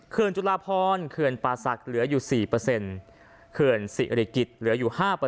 เขื่อนจุลพรเขื่อนปราสักเหลืออยู่๔เกื่อนศำศรีอริกิตเหลืออยู่๓